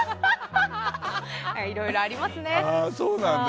いろいろありますね。